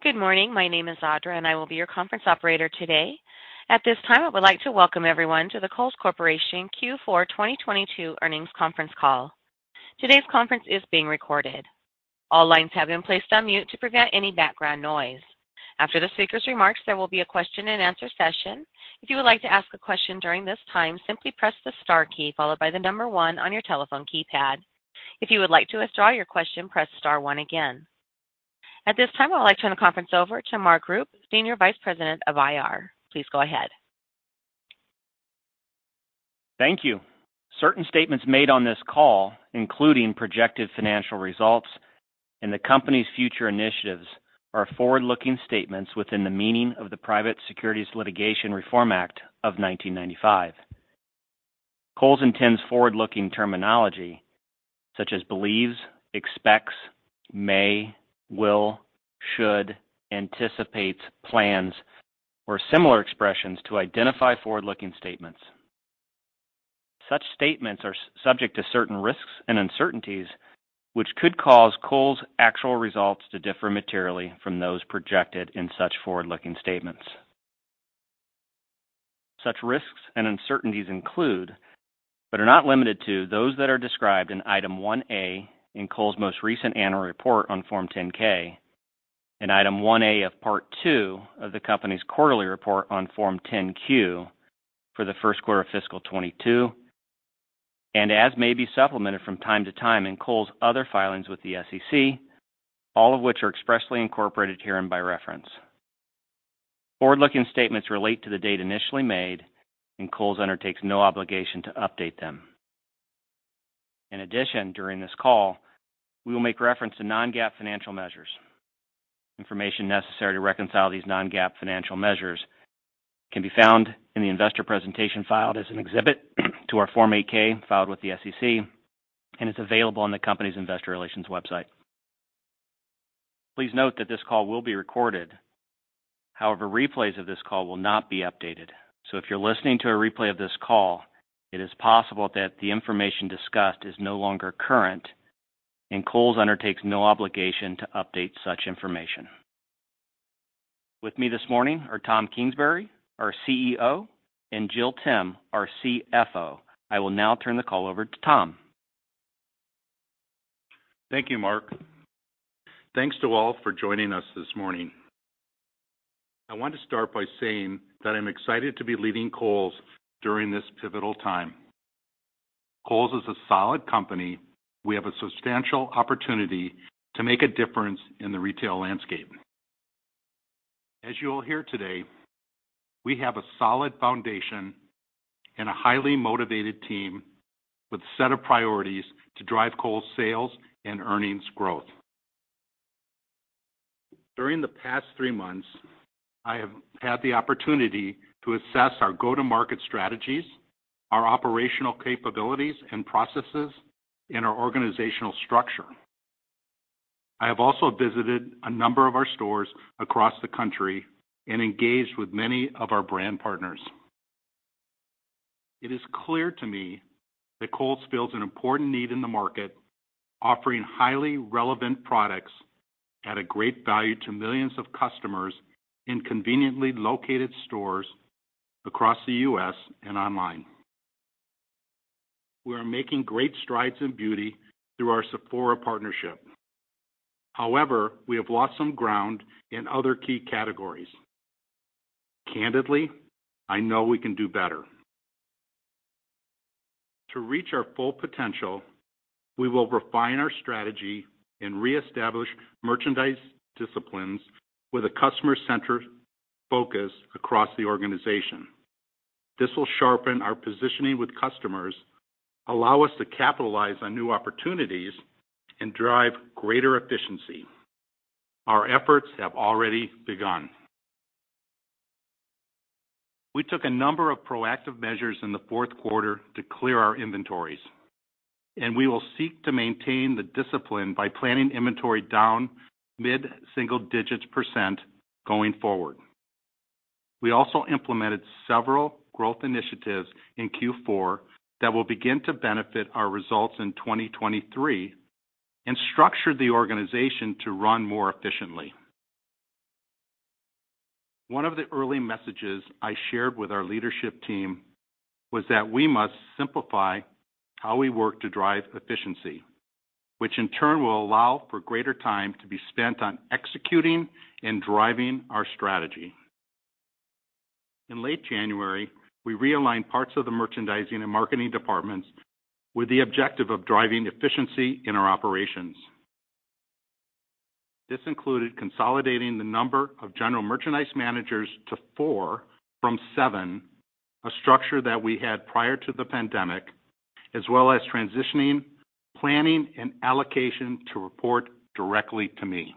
Good morning. My name is Audra, I will be your conference operator today. At this time, I would like to welcome everyone to the Kohl's Corporation Q4 2022 Earnings Conference Call. Today's conference is being recorded. All lines have been placed on mute to prevent any background noise. After the speaker's remarks, there will be a question-and-answer session. If you would like to ask a question during this time, simply press the star key followed by the number one on your telephone keypad. If you would like to withdraw your question, press star one again. At this time, I would like to turn the conference over to Mark Rupe, Senior Vice President of IR. Please go ahead. Thank you. Certain statements made on this call, including projected financial results and the company's future initiatives, are forward-looking statements within the meaning of the Private Securities Litigation Reform Act of 1995. Kohl's intends forward-looking terminology such as believes, expects, may, will, should, anticipates, plans, or similar expressions to identify forward-looking statements. Such statements are subject to certain risks and uncertainties, which could cause Kohl's actual results to differ materially from those projected in such forward-looking statements. Such risks and uncertainties include, but are not limited to, those that are described in Item 1A in Kohl's most recent annual report on Form 10-K, in Item 1A of Part II of the company's quarterly report on Form 10-Q for the first quarter of fiscal 2022, and as may be supplemented from time to time in Kohl's other filings with the SEC, all of which are expressly incorporated herein by reference. Forward-looking statements relate to the date initially made, and Kohl's undertakes no obligation to update them. In addition, during this call, we will make reference to non-GAAP financial measures. Information necessary to reconcile these non-GAAP financial measures can be found in the investor presentation filed as an exhibit to our Form 8-K filed with the SEC and is available on the company's investor relations website. Please note that this call will be recorded. However, replays of this call will not be updated. If you're listening to a replay of this call, it is possible that the information discussed is no longer current, and Kohl's undertakes no obligation to update such information. With me this morning are Tom Kingsbury, our CEO, and Jill Timm, our CFO. I will now turn the call over to Tom. Thank you, Mark. Thanks to all for joining us this morning. I want to start by saying that I'm excited to be leading Kohl's during this pivotal time. Kohl's is a solid company. We have a substantial opportunity to make a difference in the retail landscape. As you'll hear today, we have a solid foundation and a highly motivated team with a set of priorities to drive Kohl's sales and earnings growth. During the past three months, I have had the opportunity to assess our go-to-market strategies, our operational capabilities and processes, and our organizational structure. I have also visited a number of our stores across the country and engaged with many of our brand partners. It is clear to me that Kohl's fills an important need in the market, offering highly relevant products at a great value to millions of customers in conveniently located stores across the U.S. and online. We are making great strides in beauty through our Sephora partnership. However, we have lost some ground in other key categories. Candidly, I know we can do better. To reach our full potential, we will refine our strategy and reestablish merchandise disciplines with a customer-centered focus across the organization. This will sharpen our positioning with customers, allow us to capitalize on new opportunities, and drive greater efficiency. Our efforts have already begun. We took a number of proactive measures in the fourth quarter to clear our inventories, and we will seek to maintain the discipline by planning inventory down mid-single digits percent going forward. We also implemented several growth initiatives in Q4 that will begin to benefit our results in 2023 and structured the organization to run more efficiently. One of the early messages I shared with our leadership team was that we must simplify how we work to drive efficiency, which in turn will allow for greater time to be spent on executing and driving our strategy. In late January, we realigned parts of the merchandising and marketing departments with the objective of driving efficiency in our operations. This included consolidating the number of general merchandise managers to four from seven, a structure that we had prior to the pandemic, as well as transitioning, planning, and allocation to report directly to me.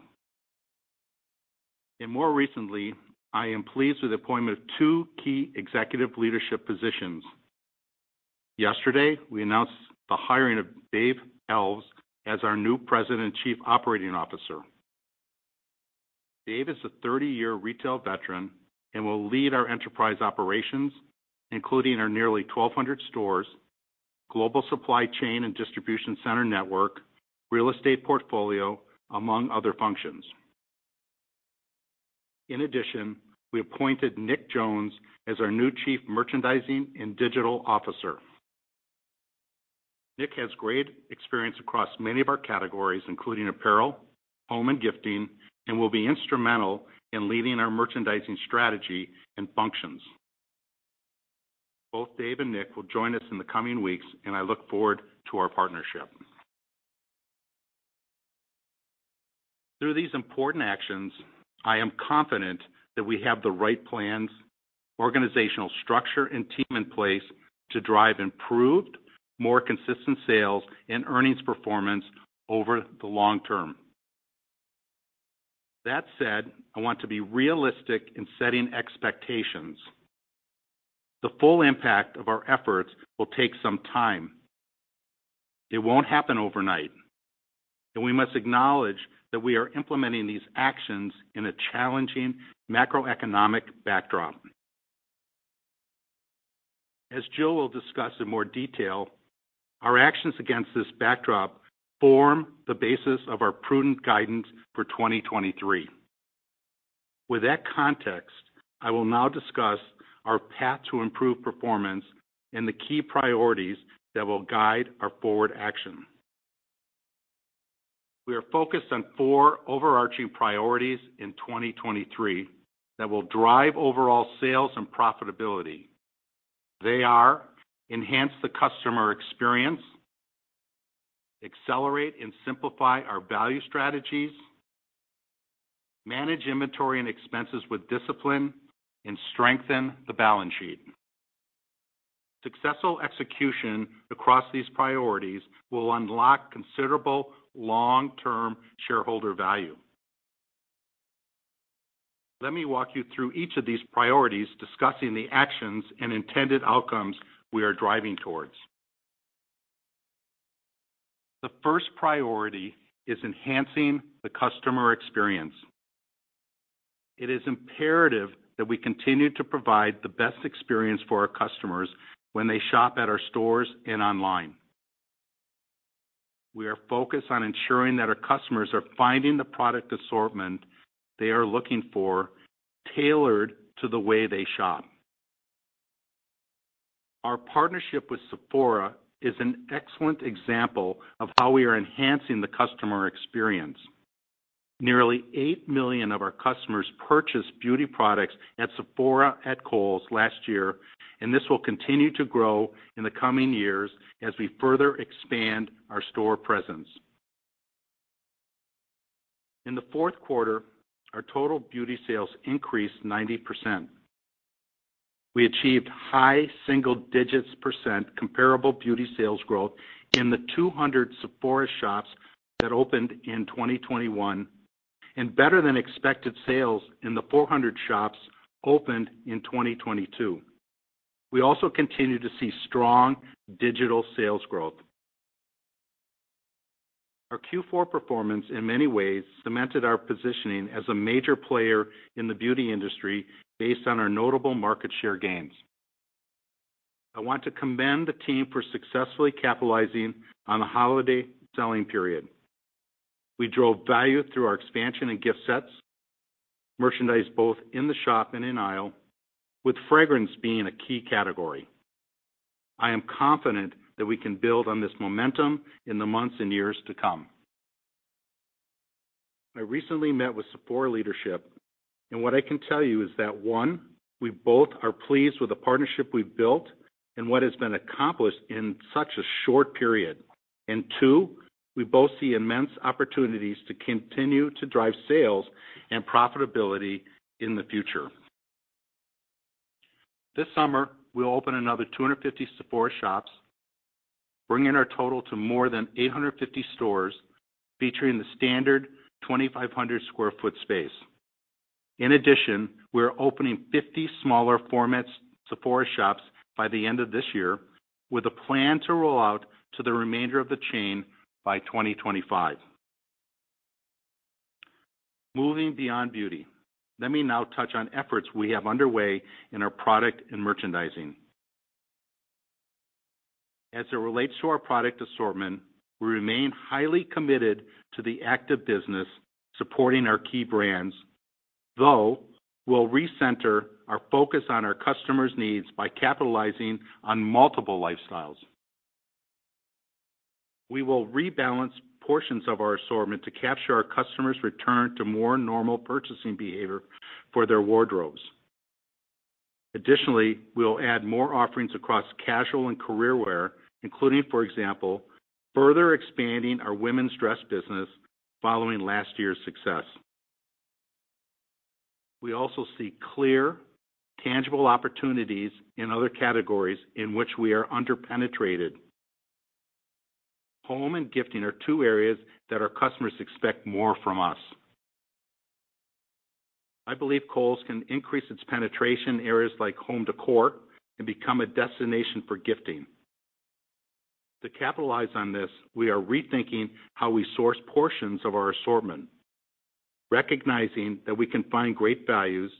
More recently, I am pleased with the appointment of two key executive leadership positions. Yesterday, we announced the hiring of Dave Alves as our new President and Chief Operating Officer. Dave is a 30-year retail veteran and will lead our enterprise operations, including our nearly 1,200 stores, global supply chain and distribution center network, real estate portfolio, among other functions. In addition, we appointed Nick Jones as our new Chief Merchandising and Digital Officer. Nick has great experience across many of our categories, including apparel, home, and gifting, and will be instrumental in leading our merchandising strategy and functions. Both Dave and Nick will join us in the coming weeks. I look forward to our partnership. Through these important actions, I am confident that we have the right plans, organizational structure and team in place to drive improved, more consistent sales and earnings performance over the long term. That said, I want to be realistic in setting expectations. The full impact of our efforts will take some time. It won't happen overnight. We must acknowledge that we are implementing these actions in a challenging macroeconomic backdrop. As Jill will discuss in more detail, our actions against this backdrop form the basis of our prudent guidance for 2023. With that context, I will now discuss our path to improve performance and the key priorities that will guide our forward action. We are focused on four overarching priorities in 2023 that will drive overall sales and profitability. They are enhance the customer experience, accelerate and simplify our value strategies, manage inventory and expenses with discipline, and strengthen the balance sheet. Successful execution across these priorities will unlock considerable long-term shareholder value. Let me walk you through each of these priorities, discussing the actions and intended outcomes we are driving towards. The first priority is enhancing the customer experience. It is imperative that we continue to provide the best experience for our customers when they shop at our stores and online. We are focused on ensuring that our customers are finding the product assortment they are looking for, tailored to the way they shop. Our partnership with Sephora is an excellent example of how we are enhancing the customer experience. Nearly 8 million of our customers purchased beauty products at Sephora at Kohl's last year, and this will continue to grow in the coming years as we further expand our store presence. In the fourth quarter, our total beauty sales increased 90%. We achieved high single digits percent comparable beauty sales growth in the 200 Sephora shops that opened in 2021, and better than expected sales in the 400 shops opened in 2022. We also continued to see strong digital sales growth. Our Q4 performance in many ways cemented our positioning as a major player in the beauty industry based on our notable market share gains. I want to commend the team for successfully capitalizing on the holiday selling period. We drove value through our expansion in gift sets, merchandised both in the shop and in aisle, with fragrance being a key category. I am confident that we can build on this momentum in the months and years to come. I recently met with Sephora leadership and what I can tell you is that, one, we both are pleased with the partnership we've built and what has been accomplished in such a short period. Two, we both see immense opportunities to continue to drive sales and profitability in the future. This summer, we'll open another 250 Sephora shops, bringing our total to more than 850 stores featuring the standard 2,500 sq ft space. We are opening 50 smaller formats Sephora shops by the end of this year with a plan to roll out to the remainder of the chain by 2025. Moving beyond beauty, let me now touch on efforts we have underway in our product and merchandising. As it relates to our product assortment, we remain highly committed to the active business supporting our key brands, though we'll recenter our focus on our customers' needs by capitalizing on multiple lifestyles. We will rebalance portions of our assortment to capture our customers' return to more normal purchasing behavior for their wardrobes. We will add more offerings across casual and career wear, including, for example, further expanding our women's dress business following last year's success. We also see clear, tangible opportunities in other categories in which we are under-penetrated. Home and gifting are two areas that our customers expect more from us. I believe Kohl's can increase its penetration in areas like home decor and become a destination for gifting. To capitalize on this, we are rethinking how we source portions of our assortment, recognizing that we can find great values,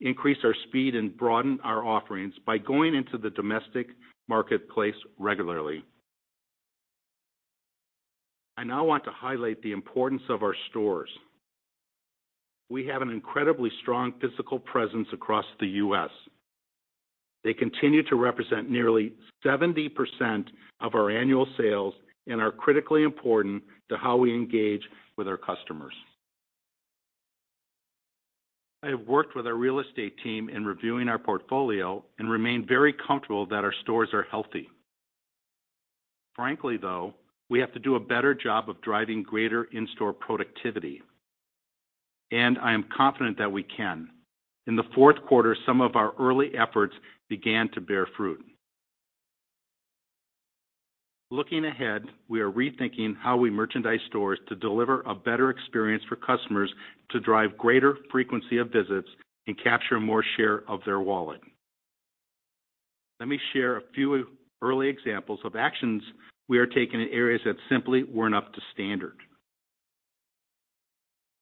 increase our speed, and broaden our offerings by going into the domestic marketplace regularly. I now want to highlight the importance of our stores. We have an incredibly strong physical presence across the U.S. They continue to represent nearly 70% of our annual sales and are critically important to how we engage with our customers. I have worked with our real estate team in reviewing our portfolio and remain very comfortable that our stores are healthy. Frankly, though, we have to do a better job of driving greater in-store productivity, I am confident that we can. In the fourth quarter, some of our early efforts began to bear fruit. Looking ahead, we are rethinking how we merchandise stores to deliver a better experience for customers to drive greater frequency of visits and capture more share of their wallet. Let me share a few early examples of actions we are taking in areas that simply weren't up to standard.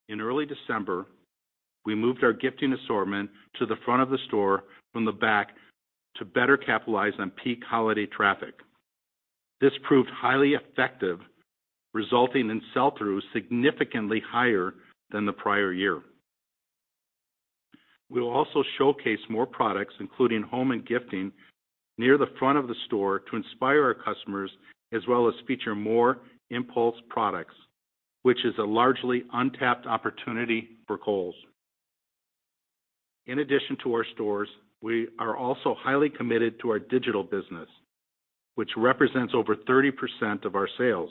In early December, we moved our gifting assortment to the front of the store from the back to better capitalize on peak holiday traffic. This proved highly effective, resulting in sell-through significantly higher than the prior year. We will also showcase more products, including home and gifting, near the front of the store to inspire our customers, as well as feature more impulse products, which is a largely untapped opportunity for Kohl's. In addition to our stores, we are also highly committed to our digital business, which represents over 30% of our sales.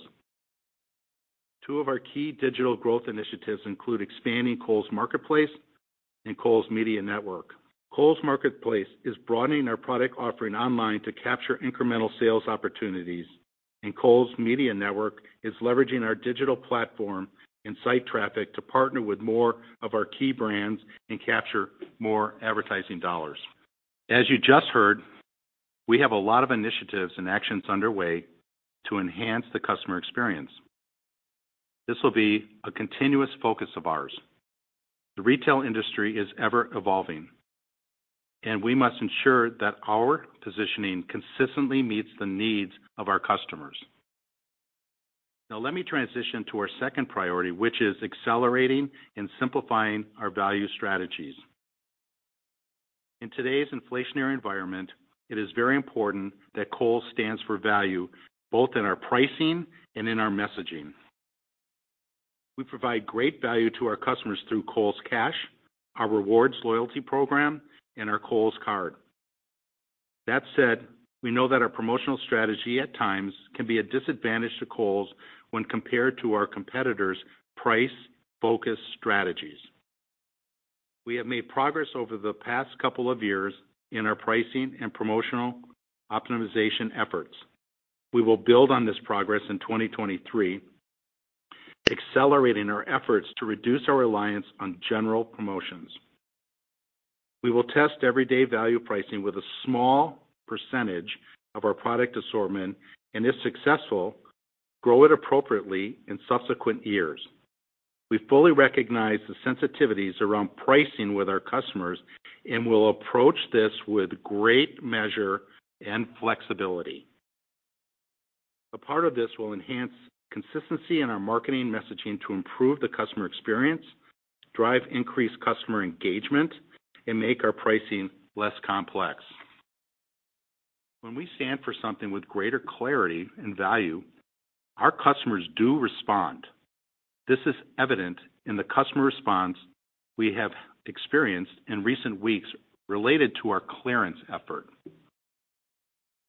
Two of our key digital growth initiatives include expanding Kohl's Marketplace and Kohl's Media Network. Kohl's Marketplace is broadening our product offering online to capture incremental sales opportunities, and Kohl's Media Network is leveraging our digital platform and site traffic to partner with more of our key brands and capture more advertising dollars. As you just heard, we have a lot of initiatives and actions underway to enhance the customer experience. This will be a continuous focus of ours. The retail industry is ever evolving, we must ensure that our positioning consistently meets the needs of our customers. Let me transition to our second priority, which is accelerating and simplifying our value strategies. In today's inflationary environment, it is very important that Kohl's stands for value, both in our pricing and in our messaging. We provide great value to our customers through Kohl's Cash, our rewards loyalty program, and our Kohl's card. We know that our promotional strategy at times can be a disadvantage to Kohl's when compared to our competitors' price-focused strategies. We have made progress over the past couple of years in our pricing and promotional optimization efforts. We will build on this progress in 2023, accelerating our efforts to reduce our reliance on general promotions. We will test everyday value pricing with a small percentage of our product assortment, and if successful, grow it appropriately in subsequent years. We fully recognize the sensitivities around pricing with our customers and will approach this with great measure and flexibility. A part of this will enhance consistency in our marketing messaging to improve the customer experience, drive increased customer engagement, and make our pricing less complex. When we stand for something with greater clarity and value, our customers do respond. This is evident in the customer response we have experienced in recent weeks related to our clearance effort.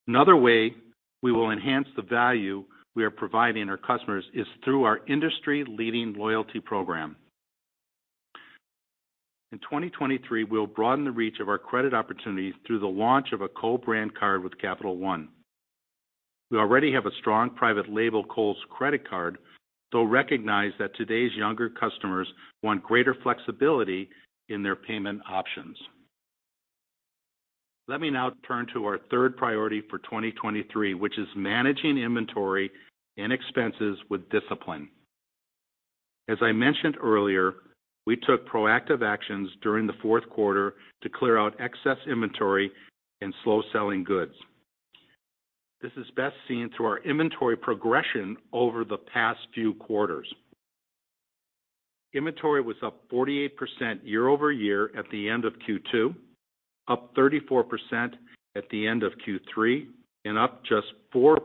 Another way we will enhance the value we are providing our customers is through our industry-leading loyalty program. In 2023, we will broaden the reach of our credit opportunities through the launch of a co-brand card with Capital One. We already have a strong private label Kohl's credit card, though recognize that today's younger customers want greater flexibility in their payment options. Let me now turn to our third priority for 2023, which is managing inventory and expenses with discipline. As I mentioned earlier, we took proactive actions during the fourth quarter to clear out excess inventory and slow-selling goods. This is best seen through our inventory progression over the past few quarters. Inventory was up 48% year-over-year at the end of Q2, up 34% at the end of Q3, and up just 4%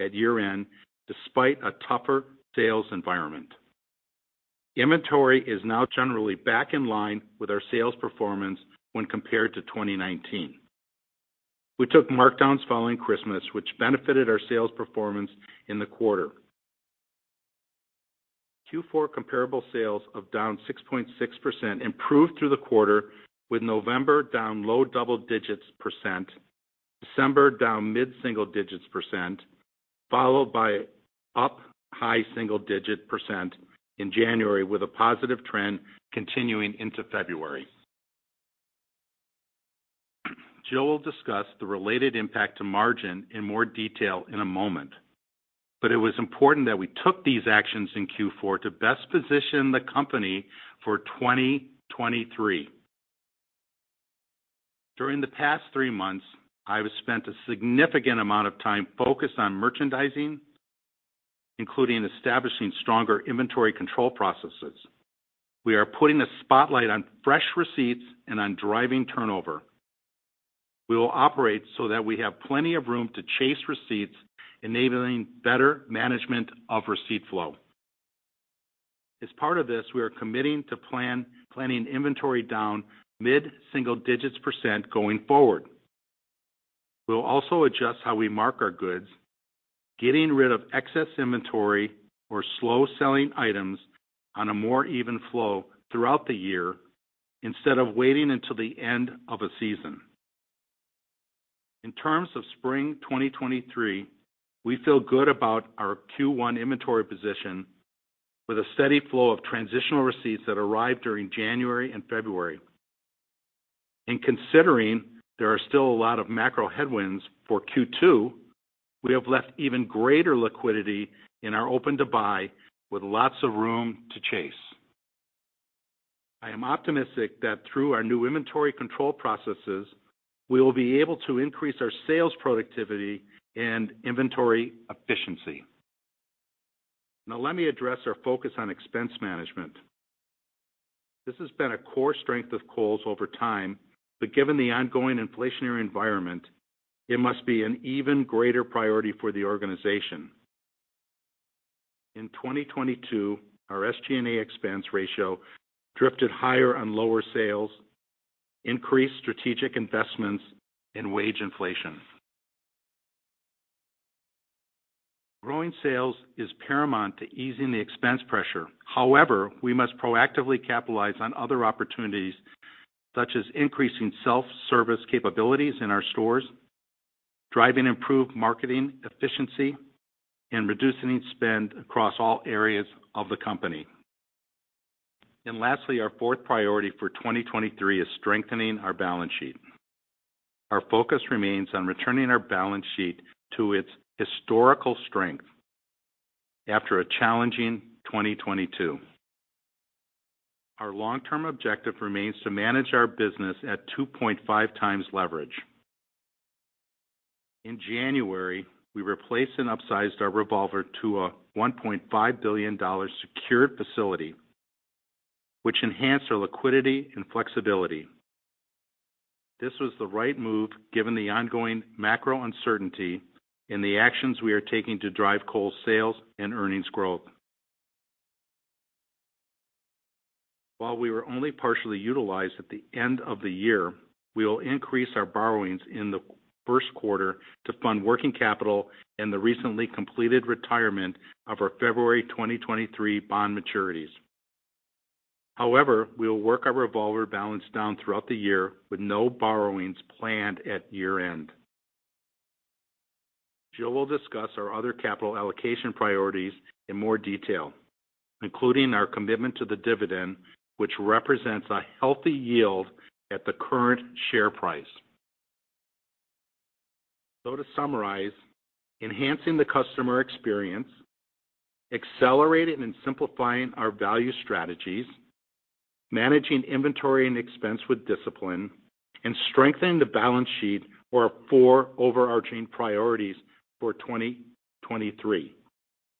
at year-end, despite a tougher sales environment. Inventory is now generally back in line with our sales performance when compared to 2019. We took markdowns following Christmas, which benefited our sales performance in the quarter. Q4 comparable sales of down 6.6% improved through the quarter, with November down low double digits percent, December down mid-single digits percent, followed by up high single digit percent in January, with a positive trend continuing into February. Jill will discuss the related impact to margin in more detail in a moment. It was important that we took these actions in Q4 to best position the company for 2023. During the past three months, I have spent a significant amount of time focused on merchandising, including establishing stronger inventory control processes. We are putting a spotlight on fresh receipts and on driving turnover. We will operate so that we have plenty of room to chase receipts, enabling better management of receipt flow. As part of this, we are committing to planning inventory down mid-single digits percent going forward. We'll also adjust how we mark our goods, getting rid of excess inventory or slow-selling items on a more even flow throughout the year instead of waiting until the end of a season. In terms of spring 2023, we feel good about our Q1 inventory position with a steady flow of transitional receipts that arrive during January and February. Considering there are still a lot of macro headwinds for Q2, we have left even greater liquidity in our open to buy with lots of room to chase. I am optimistic that through our new inventory control processes, we will be able to increase our sales productivity and inventory efficiency. Let me address our focus on expense management. This has been a core strength of Kohl's over time, but given the ongoing inflationary environment, it must be an even greater priority for the organization. In 2022, our SG&A expense ratio drifted higher on lower sales, increased strategic investments and wage inflation. Growing sales is paramount to easing the expense pressure. However, we must proactively capitalize on other opportunities, such as increasing self-service capabilities in our stores, driving improved marketing efficiency, and reducing spend across all areas of the company. Lastly, our fourth priority for 2023 is strengthening our balance sheet. Our focus remains on returning our balance sheet to its historical strength after a challenging 2022. Our long-term objective remains to manage our business at 2.5x leverage. In January, we replaced and upsized our revolver to a $1.5 billion secured facility, which enhanced our liquidity and flexibility. This was the right move given the ongoing macro uncertainty and the actions we are taking to drive Kohl's sales and earnings growth. While we were only partially utilized at the end of the year, we will increase our borrowings in the first quarter to fund working capital and the recently completed retirement of our February 2023 bond maturities. However, we will work our revolver balance down throughout the year with no borrowings planned at year-end. Jill will discuss our other capital allocation priorities in more detail, including our commitment to the dividend, which represents a healthy yield at the current share price. To summarize, enhancing the customer experience, accelerating and simplifying our value strategies, managing inventory and expense with discipline, and strengthening the balance sheet were our four overarching priorities for 2023.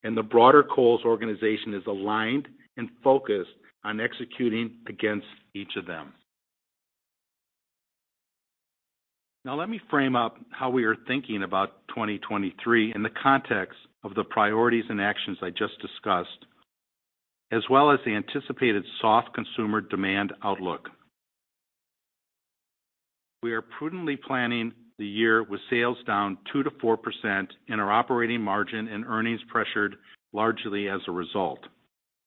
The broader Kohl's organization is aligned and focused on executing against each of them. Let me frame up how we are thinking about 2023 in the context of the priorities and actions I just discussed, as well as the anticipated soft consumer demand outlook. We are prudently planning the year with sales down 2%-4% and our operating margin and earnings pressured largely as a result.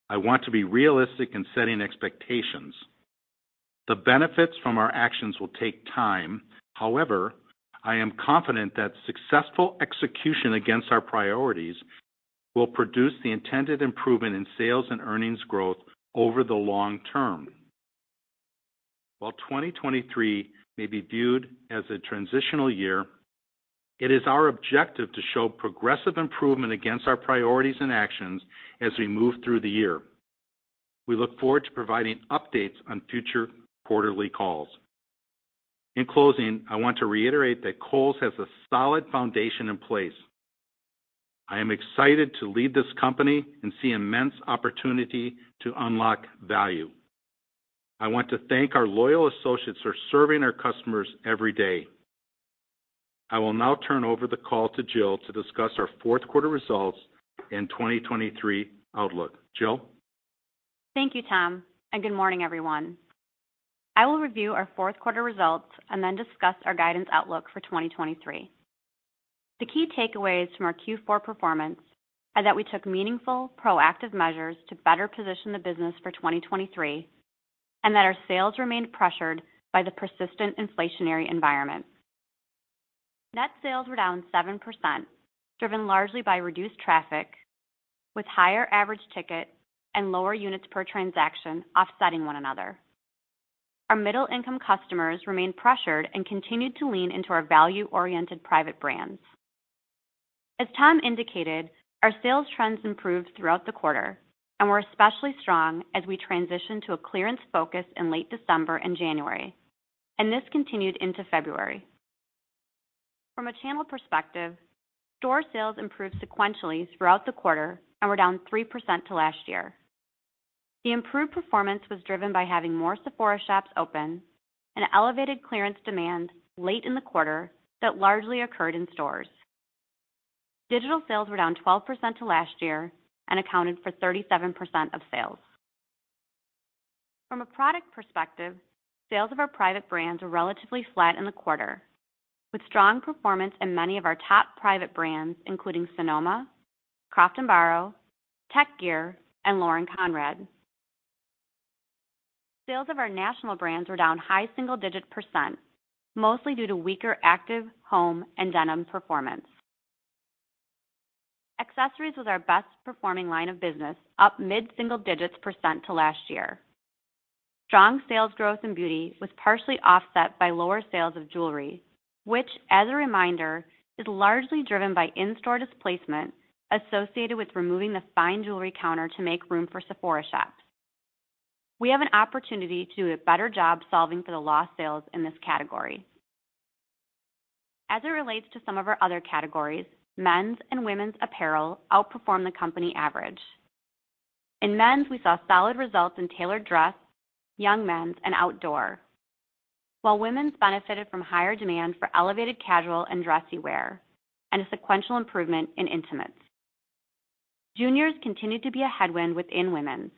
I want to be realistic in setting expectations. The benefits from our actions will take time. However, I am confident that successful execution against our priorities will produce the intended improvement in sales and earnings growth over the long term. While 2023 may be viewed as a transitional year, it is our objective to show progressive improvement against our priorities and actions as we move through the year. We look forward to providing updates on future quarterly calls. In closing, I want to reiterate that Kohl's has a solid foundation in place. I am excited to lead this company and see immense opportunity to unlock value. I want to thank our loyal associates who are serving our customers every day. I will now turn over the call to Jill to discuss our fourth quarter results and 2023 outlook. Jill? Thank you, Tom, and good morning, everyone. I will review our fourth quarter results and then discuss our guidance outlook for 2023. The key takeaways from our Q4 performance are that we took meaningful, proactive measures to better position the business for 2023, and that our sales remained pressured by the persistent inflationary environment. Net sales were down 7%, driven largely by reduced traffic, with higher average ticket and lower units per transaction offsetting one another. Our middle-income customers remained pressured and continued to lean into our value-oriented private brands. As Tom indicated, our sales trends improved throughout the quarter and were especially strong as we transitioned to a clearance focus in late December and January, and this continued into February. From a channel perspective, store sales improved sequentially throughout the quarter and were down 3% to last year. The improved performance was driven by having more Sephora shops open and elevated clearance demand late in the quarter that largely occurred in stores. Digital sales were down 12% to last year and accounted for 37% of sales. From a product perspective, sales of our private brands were relatively flat in the quarter, with strong performance in many of our top private brands, including Sonoma, Croft & Barrow, Tek Gear, and Lauren Conrad. Sales of our national brands were down high single-digit percent, mostly due to weaker active, home, and denim performance. Accessories was our best performing line of business, up mid-single digits percent to last year. Strong sales growth in beauty was partially offset by lower sales of jewelry, which, as a reminder, is largely driven by in-store displacement associated with removing the fine jewelry counter to make room for Sephora shops. We have an opportunity to do a better job solving for the lost sales in this category. As it relates to some of our other categories, men's and women's apparel outperformed the company average. In men's, we saw solid results in tailored dress, young men's, and Outdoor. While women's benefited from higher demand for elevated casual and dressy wear, and a sequential improvement in intimates. Juniors continued to be a headwind within women's,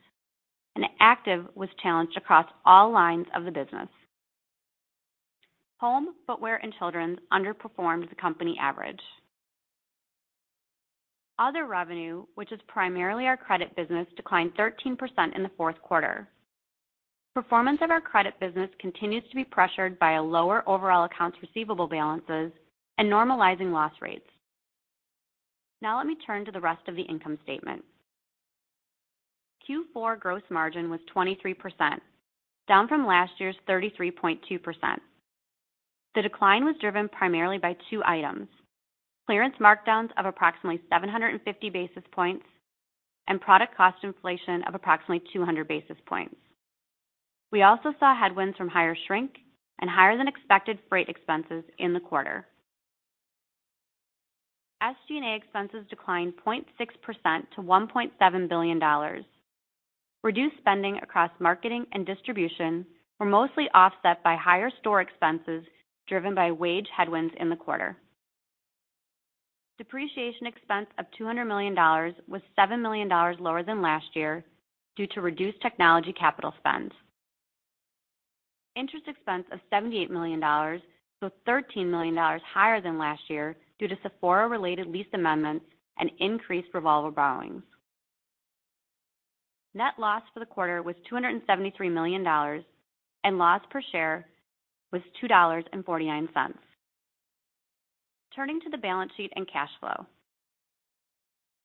active was challenged across all lines of the business. Home, footwear, and children's underperformed the company average. Other revenue, which is primarily our credit business, declined 13% in the fourth quarter. Performance of our credit business continues to be pressured by a lower overall accounts receivable balances and normalizing loss rates. Now let me turn to the rest of the income statement. Q4 gross margin was 23%, down from last year's 33.2%. The decline was driven primarily by two items: clearance markdowns of approximately 750 basis points and product cost inflation of approximately 200 basis points. We also saw headwinds from higher shrink and higher than expected freight expenses in the quarter. SG&A expenses declined 0.6% to $1.7 billion. Reduced spending across marketing and distribution were mostly offset by higher store expenses driven by wage headwinds in the quarter. Depreciation expense of $200 million was $7 million lower than last year due to reduced technology capital spends. Interest expense of $78 million, so $13 million higher than last year due to Sephora-related lease amendments and increased revolver borrowings. Net loss for the quarter was $273 million. Loss per share was $2.49. Turning to the balance sheet and cash flow.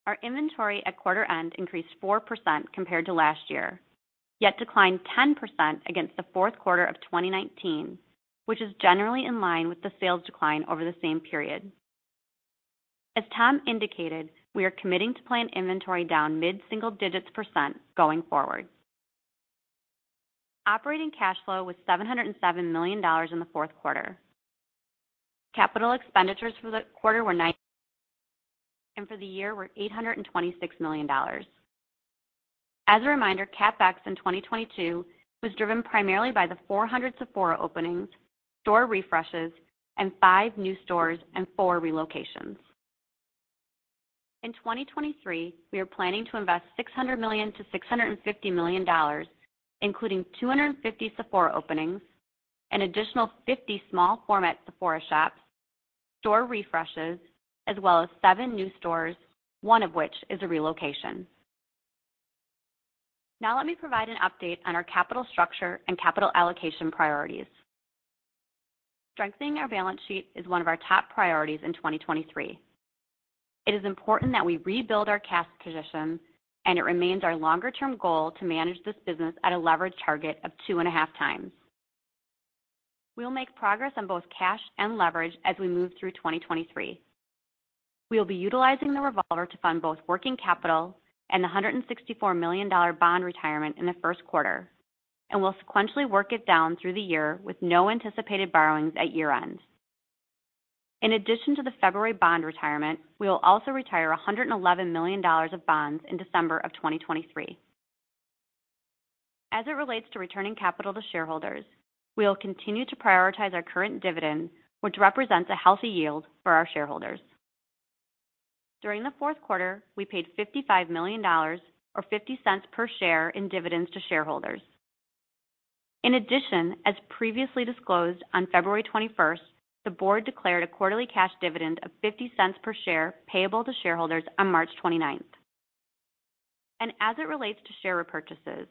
Our inventory at quarter end increased 4% compared to last year, yet declined 10% against the fourth quarter of 2019, which is generally in line with the sales decline over the same period. As Tom indicated, we are committing to plan inventory down mid-single digits percent going forward. Operating cash flow was $707 million in the fourth quarter. For the year were $826 million. As a reminder, CapEx in 2022 was driven primarily by the 400 Sephora openings, store refreshes, and five new stores and four relocations. In 2023, we are planning to invest $600 million-$650 million, including 250 Sephora openings, an additional 50 small format Sephora shops, store refreshes, as well as seven new stores, one of which is a relocation. Let me provide an update on our capital structure and capital allocation priorities. Strengthening our balance sheet is one of our top priorities in 2023. It is important that we rebuild our cash position, and it remains our longer-term goal to manage this business at a leverage target of 2.5x. We will make progress on both cash and leverage as we move through 2023. We will be utilizing the revolver to fund both working capital and the $164 million bond retirement in the first quarter. We'll sequentially work it down through the year with no anticipated borrowings at year-end. In addition to the February bond retirement, we will also retire $111 million of bonds in December 2023. As it relates to returning capital to shareholders, we will continue to prioritize our current dividend, which represents a healthy yield for our shareholders. During the fourth quarter, we paid $55 million or $0.50 per share in dividends to shareholders. In addition, as previously disclosed on February 21st, the board declared a quarterly cash dividend of $0.50 per share payable to shareholders on March 29th. As it relates to share repurchases,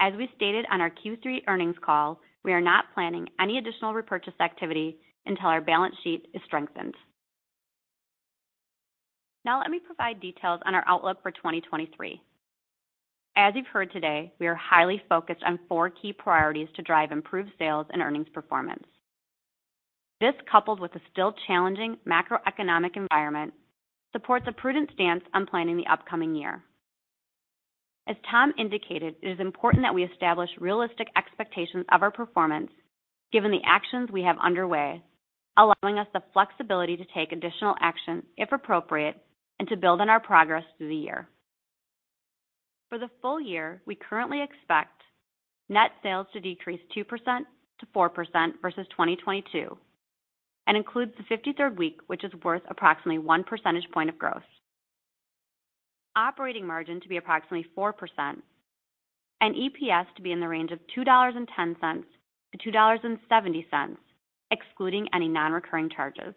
as we stated on our Q3 earnings call, we are not planning any additional repurchase activity until our balance sheet is strengthened. Let me provide details on our outlook for 2023. As you've heard today, we are highly focused on four key priorities to drive improved sales and earnings performance. This, coupled with a still challenging macroeconomic environment, supports a prudent stance on planning the upcoming year. As Tom indicated, it is important that we establish realistic expectations of our performance given the actions we have underway, allowing us the flexibility to take additional action if appropriate, and to build on our progress through the year. For the full year, we currently expect net sales to decrease 2%-4% versus 2022 and includes the 53rd week, which is worth approximately 1 percentage point of growth. Operating margin to be approximately 4% and EPS to be in the range of $2.10-$2.70, excluding any non-recurring charges.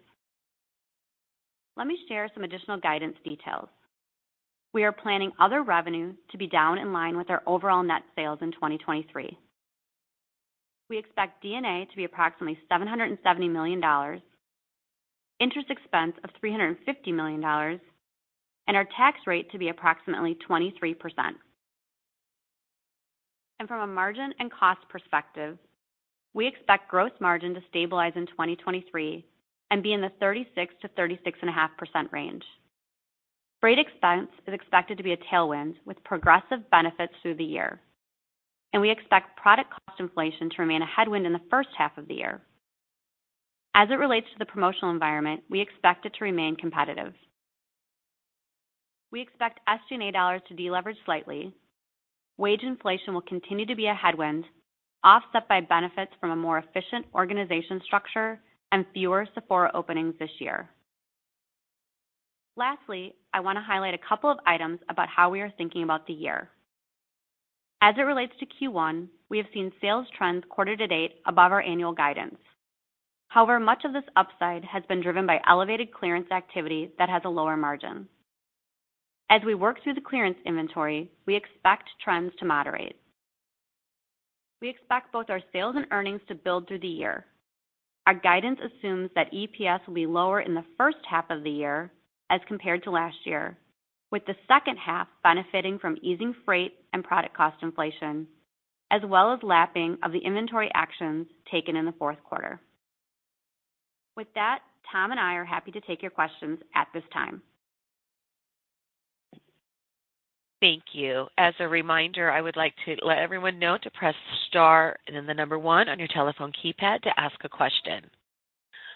Let me share some additional guidance details. We are planning other revenue to be down in line with our overall net sales in 2023. We expect D&A to be approximately $770 million, interest expense of $350 million, and our tax rate to be approximately 23%. From a margin and cost perspective, we expect gross margin to stabilize in 2023 and be in the 36%-36.5% range. Freight expense is expected to be a tailwind with progressive benefits through the year, and we expect product cost inflation to remain a headwind in the first half of the year. As it relates to the promotional environment, we expect it to remain competitive. We expect SG&A dollars to deleverage slightly. Wage inflation will continue to be a headwind, offset by benefits from a more efficient organization structure and fewer Sephora openings this year. Lastly, I want to highlight a couple of items about how we are thinking about the year. As it relates to Q1, we have seen sales trends quarter to date above our annual guidance. Much of this upside has been driven by elevated clearance activity that has a lower margin. As we work through the clearance inventory, we expect trends to moderate. We expect both our sales and earnings to build through the year. Our guidance assumes that EPS will be lower in the first half of the year as compared to last year, with the second half benefiting from easing freight and product cost inflation, as well as lapping of the inventory actions taken in the fourth quarter. Tom and I are happy to take your questions at this time. Thank you. As a reminder, I would like to let everyone know to press star and then the one on your telephone keypad to ask a question.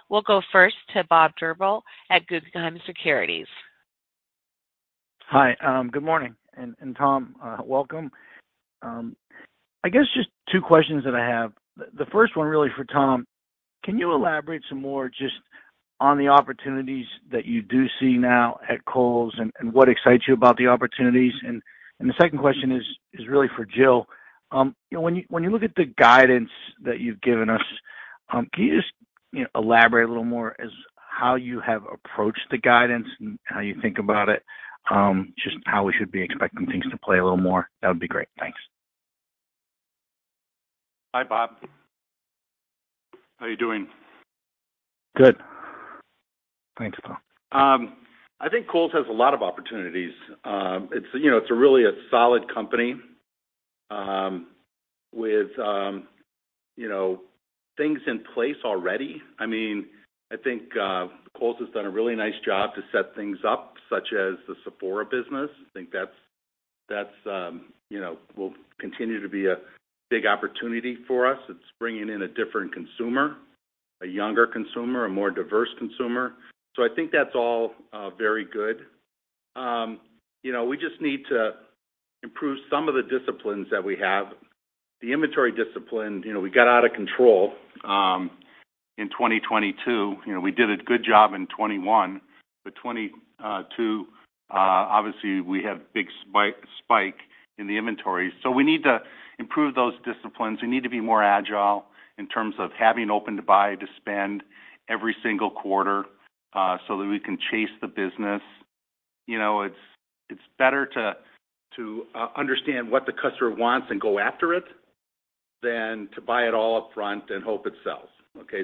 We'll go first to Bob Drbul at Guggenheim Securities. Hi, good morning. Tom, welcome. I guess just two questions that I have. The first one really for Tom, can you elaborate some more just on the opportunities that you do see now at Kohl's and what excites you about the opportunities? The second question is really for Jill. You know, when you look at the guidance that you've given us, can you just, you know, elaborate a little more as how you have approached the guidance and how you think about it? Just how we should be expecting things to play a little more. That would be great. Thanks. Hi, Bob. How are you doing? Good. Thanks, Tom. I think Kohl's has a lot of opportunities. It's, you know, it's really a solid company, with, you know, things in place already. I mean, I think Kohl's has done a really nice job to set things up, such as the Sephora business. I think that's, you know, will continue to be a big opportunity for us. It's bringing in a different consumer, a younger consumer, a more diverse consumer. I think that's all very good. You know, we just need to improve some of the disciplines that we have. The inventory discipline, you know, we got out of control in 2022. You know, we did a good job in 2021, but 2022, obviously we have big spike in the inventory. We need to improve those disciplines. We need to be more agile in terms of having open to buy, to spend every single quarter, so that we can chase the business. You know, it's better to understand what the customer wants and go after it than to buy it all upfront and hope it sells. Okay,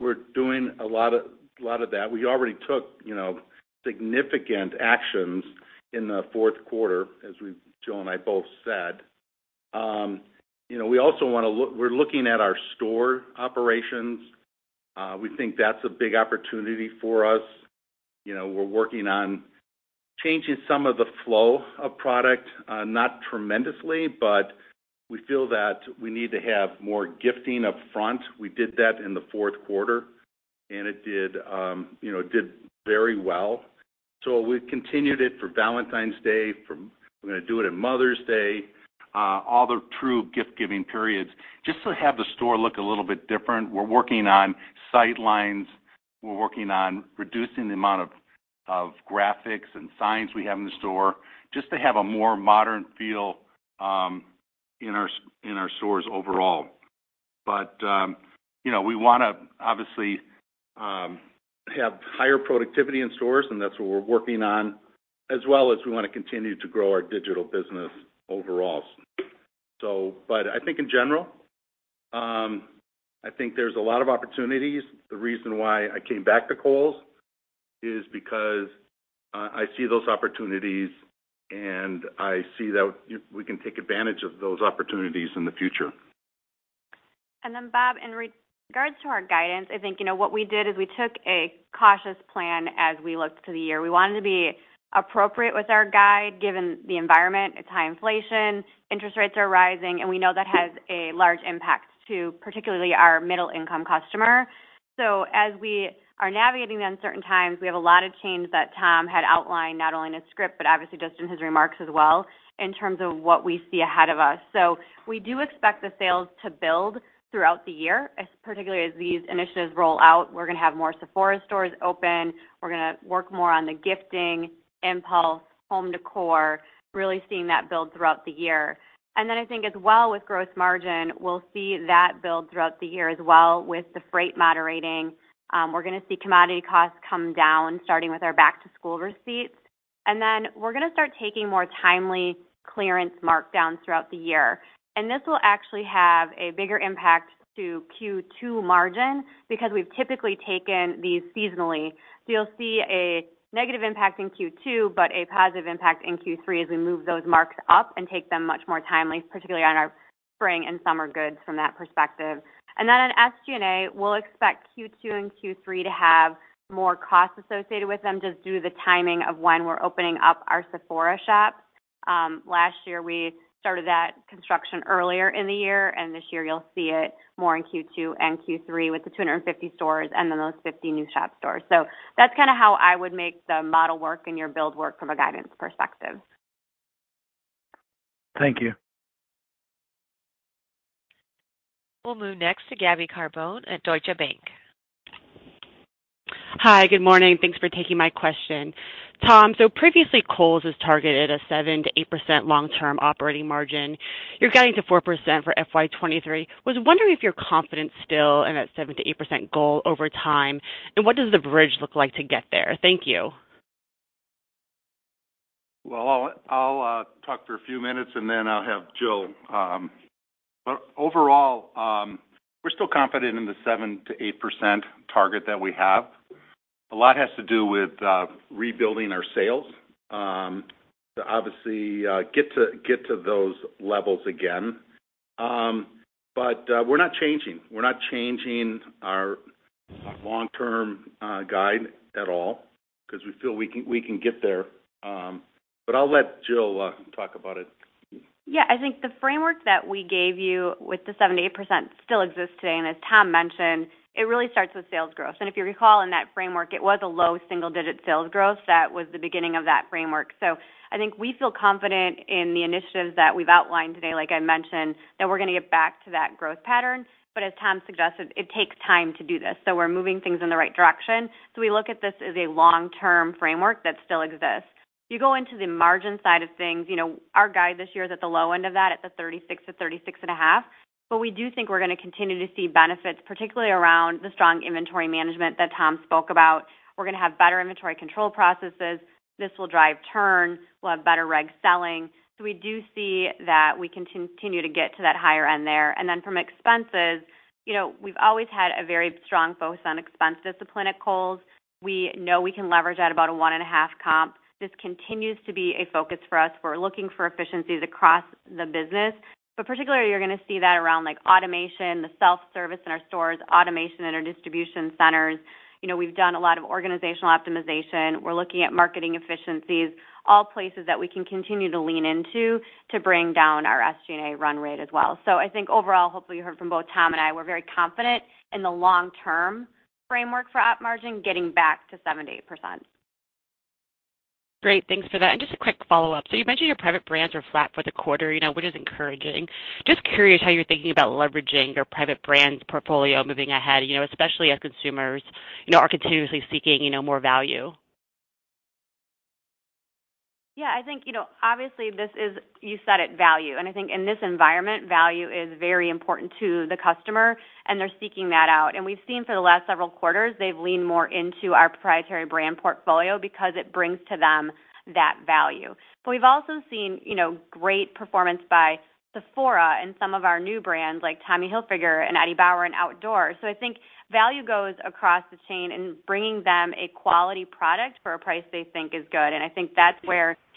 we're doing a lot of that. We already took, you know, significant actions in the fourth quarter, as Jill and I both said. You know, we also we're looking at our store operations. We think that's a big opportunity for us. You know, we're working on changing some of the flow of product, not tremendously, but we feel that we need to have more gifting up front. We did that in the fourth quarter, and it did, you know, did very well. We've continued it for Valentine's Day, we're gonna do it at Mother's Day, all the true gift-giving periods, just to have the store look a little bit different. We're working on sight lines. We're working on reducing the amount of graphics and signs we have in the store, just to have a more modern feel in our stores overall. You know, we wanna obviously have higher productivity in stores, and that's what we're working on, as well as we wanna continue to grow our digital business overall. I think in general, I think there's a lot of opportunities. The reason why I came back to Kohl's is because I see those opportunities, and I see that we can take advantage of those opportunities in the future. Bob, in regards to our guidance, I think, you know, what we did is we took a cautious plan as we looked to the year. We wanted to be appropriate with our guide, given the environment. It's high inflation, interest rates are rising, and we know that has a large impact to particularly our middle income customer. As we are navigating the uncertain times, we have a lot of change that Tom had outlined, not only in his script, but obviously just in his remarks as well, in terms of what we see ahead of us. We do expect the sales to build throughout the year, as particularly as these initiatives roll out. We're gonna have more Sephora stores open. We're gonna work more on the gifting, impulse, home decor, really seeing that build throughout the year. I think as well with growth margin, we'll see that build throughout the year as well with the freight moderating. We're gonna see commodity costs come down, starting with our back-to-school receipts. We're gonna start taking more timely clearance markdowns throughout the year. This will actually have a bigger impact to Q2 margin because we've typically taken these seasonally. You'll see a negative impact in Q2, but a positive impact in Q3 as we move those marks up and take them much more timely, particularly on our spring and summer goods from that perspective. In SG&A, we'll expect Q2 and Q3 to have more costs associated with them just due to the timing of when we're opening up our Sephora shops. Last year, we started that construction earlier in the year, and this year you'll see it more in Q2 and Q3 with the 250 stores and then those 50 new shop stores. That's kinda how I would make the model work and your build work from a guidance perspective. Thank you. We'll move next to Gabby Carbone at Deutsche Bank. Hi, good morning. Thanks for taking my question. Tom, previously, Kohl's has targeted a 7%-8% long-term operating margin. You're guiding to 4% for FY 2023. Was wondering if you're confident still in that 7%-8% goal over time, and what does the bridge look like to get there? Thank you. Well, I'll talk for a few minutes, and then I'll have Jill. Overall, we're still confident in the 7%-8% target that we have. A lot has to do with rebuilding our sales to obviously get to those levels again. We're not changing. We're not changing our long-term guide at all 'cause we feel we can get there. I'll let Jill talk about it. Yeah. I think the framework that we gave you with the 7%-8% still exists today. As Tom mentioned, it really starts with sales growth. If you recall in that framework, it was a low single-digit sales growth that was the beginning of that framework. I think we feel confident in the initiatives that we've outlined today, like I mentioned, that we're gonna get back to that growth pattern. As Tom suggested, it takes time to do this, so we're moving things in the right direction. We look at this as a long-term framework that still exists. You go into the margin side of things, you know, our guide this year is at the low end of that, at the 36%-36.5%. We do think we're gonna continue to see benefits, particularly around the strong inventory management that Tom spoke about. We're gonna have better inventory control processes. This will drive turn. We'll have better reg selling. We do see that we can continue to get to that higher end there. Then from expenses, you know, we've always had a very strong focus on expense discipline at Kohl's. We know we can leverage at about a 1.5 comp. This continues to be a focus for us. We're looking for efficiencies across the business. Particularly, you're gonna see that around, like, automation, the self-service in our stores, automation in our distribution centers. You know, we've done a lot of organizational optimization. We're looking at marketing efficiencies, all places that we can continue to lean into to bring down our SG&A run rate as well. I think overall, hopefully you heard from both Tom and I, we're very confident in the long-term framework for op margin getting back to 7%-8%. Great. Thanks for that. Just a quick follow-up. You mentioned your private brands are flat for the quarter, you know, which is encouraging. Just curious how you're thinking about leveraging your private brands portfolio moving ahead, you know, especially as consumers, you know, are continuously seeking, you know, more value. I think, you know, obviously this is. You said it, value. I think in this environment, value is very important to the customer, and they're seeking that out. We've seen for the last several quarters, they've leaned more into our proprietary brand portfolio because it brings to them that value. We've also seen, you know, great performance by Sephora and some of our new brands like Tommy Hilfiger and Eddie Bauer and Outdoor. I think value goes across the chain and bringing them a quality product for a price they think is good. I think that's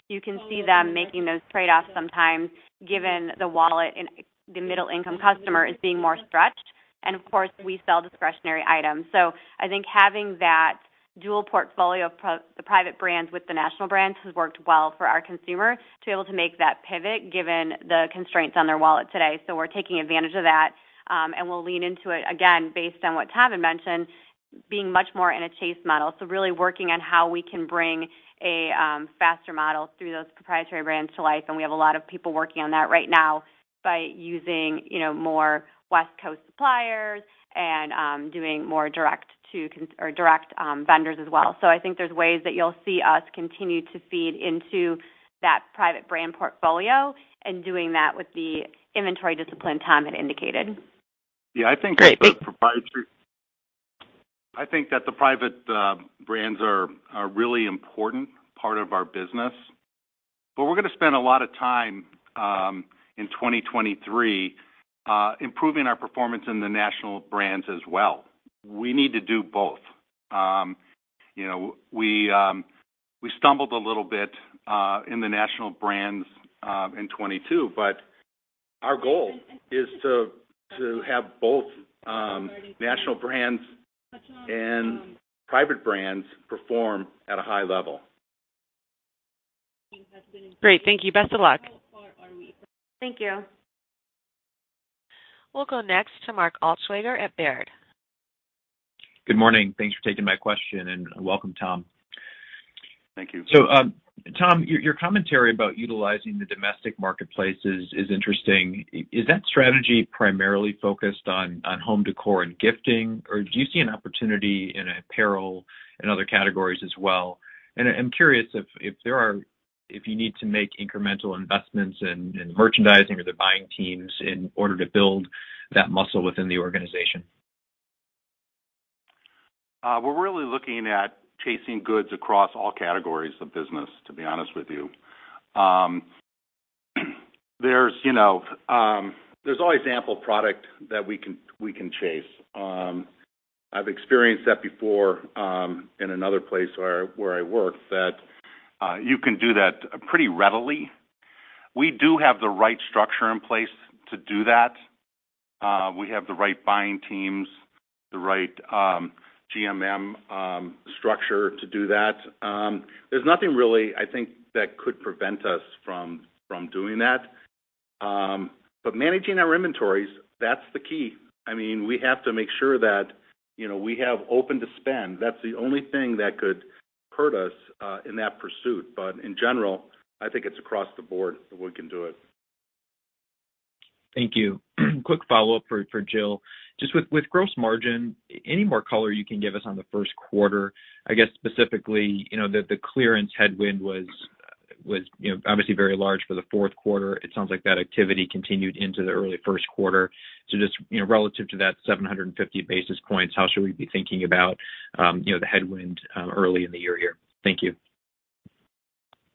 where you can see them making those trade-offs sometimes, given the wallet and the middle income customer is being more stretched. Of course, we sell discretionary items. I think having that dual portfolio of the private brands with the national brands has worked well for our consumer to be able to make that pivot given the constraints on their wallet today. We're taking advantage of that, and we'll lean into it, again, based on what Tom had mentioned, being much more in a chase model. Really working on how we can bring a faster model through those proprietary brands to life. We have a lot of people working on that right now by using, you know, more West Coast supply. Doing more direct or direct vendors as well. I think there's ways that you'll see us continue to feed into that private brand portfolio and doing that with the inventory discipline Tom had indicated. Yeah, I think that the. Great, thanks. I think that the private brands are really important part of our business. We're gonna spend a lot of time in 2023 improving our performance in the national brands as well. We need to do both. You know, we stumbled a little bit in the national brands in 2022, but our goal is to have both national brands and private brands perform at a high level. Great. Thank you. Best of luck. Thank you. We'll go next to Mark Altschwager at Baird. Good morning. Thanks for taking my question, and welcome, Tom. Thank you. Tom, your commentary about utilizing the domestic marketplace is interesting. Is that strategy primarily focused on home decor and gifting, or do you see an opportunity in apparel and other categories as well? I'm curious if you need to make incremental investments in merchandising or the buying teams in order to build that muscle within the organization. We're really looking at chasing goods across all categories of business, to be honest with you. There's, you know, there's always ample product that we can chase. I've experienced that before, in another place where I worked that, you can do that pretty readily. We do have the right structure in place to do that. We have the right buying teams, the right GMM structure to do that. There's nothing really, I think, that could prevent us from doing that. Managing our inventories, that's the key. I mean, we have to make sure that, you know, we have open to spend. That's the only thing that could hurt us in that pursuit. In general, I think it's across the board that we can do it. Thank you. Quick follow-up for Jill. Just with gross margin, any more color you can give us on the first quarter? I guess, specifically, you know, the clearance headwind was, you know, obviously very large for the fourth quarter. It sounds like that activity continued into the early first quarter. Just, you know, relative to that 750 basis points, how should we be thinking about, you know, the headwind early in the year here? Thank you.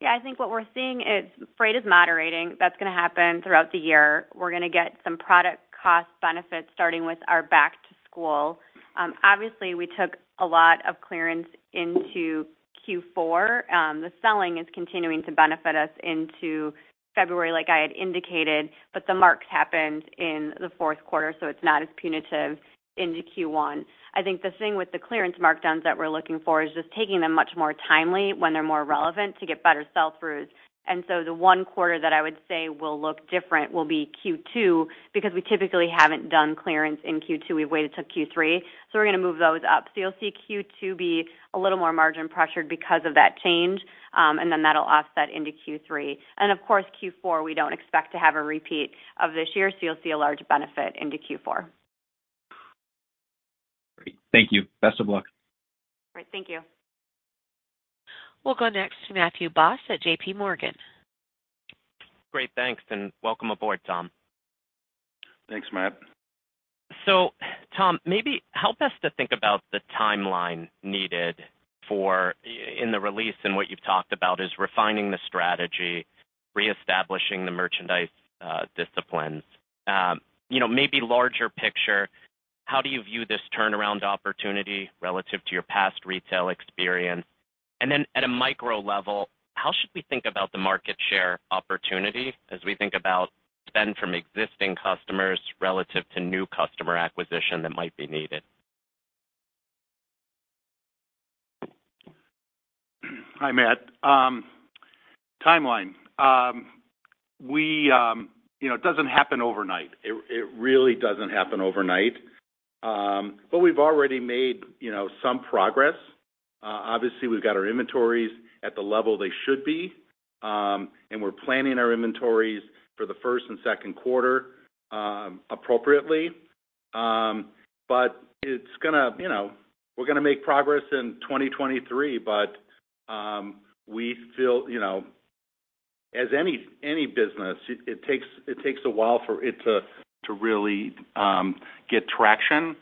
Yeah. I think what we're seeing is freight is moderating. That's gonna happen throughout the year. We're gonna get some product cost benefits starting with our Back to School. Obviously, we took a lot of clearance into Q4. The selling is continuing to benefit us into February, like I had indicated, but the marks happened in the fourth quarter, so it's not as punitive into Q1. I think the thing with the clearance markdowns that we're looking for is just taking them much more timely when they're more relevant to get better sell-throughs. The one quarter that I would say will look different will be Q2 because we typically haven't done clearance in Q2. We've waited till Q3. We're gonna move those up. You'll see Q2 be a little more margin pressured because of that change, and then that'll offset into Q3. Of course, Q4, we don't expect to have a repeat of this year, so you'll see a large benefit into Q4. Great. Thank you. Best of luck. All right. Thank you. We'll go next to Matthew Boss at JPMorgan. Great. Thanks, and welcome aboard, Tom. Thanks, Matt. Tom, maybe help us to think about the timeline needed for in the release, and what you've talked about is refining the strategy, reestablishing the merchandise disciplines. You know, maybe larger picture, how do you view this turnaround opportunity relative to your past retail experience? Then at a micro level, how should we think about the market share opportunity as we think about spend from existing customers relative to new customer acquisition that might be needed? Hi, Matt. Timeline. We, you know, it doesn't happen overnight. It really doesn't happen overnight. We've already made, you know, some progress. Obviously, we've got our inventories at the level they should be, and we're planning our inventories for the first and second quarter appropriately. It's gonna, you know, we're gonna make progress in 2023, but we feel, you know, as any business, it takes a while for it to really get traction.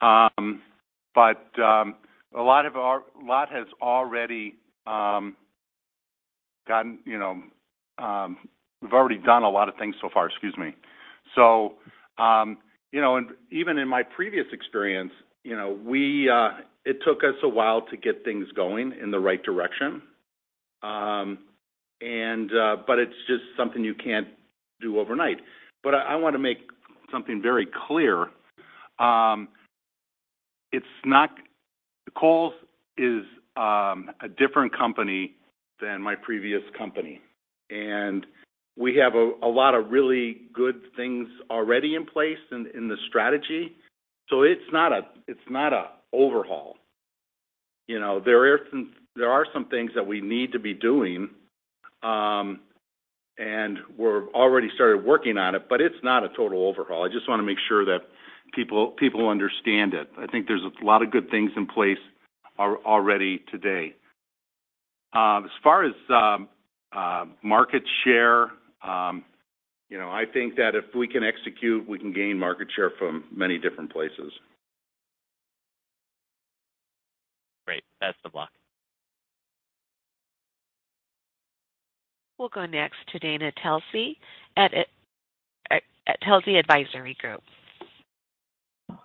Lot has already gotten, you know... We've already done a lot of things so far. Excuse me. You know, and even in my previous experience, you know, we, it took us a while to get things going in the right direction. It's just something you can't do overnight. I wanna make something very clear. Kohl's is a different company than my previous company. We have a lot of really good things already in place in the strategy. It's not a overhaul. You know, there are some things that we need to be doing, and we're already started working on it, but it's not a total overhaul. I just wanna make sure that people understand it. I think there's a lot of good things in place already today. As far as market share, you know, I think that if we can execute, we can gain market share from many different places. Great. Pass the block. We'll go next to Dana Telsey at Telsey Advisory Group.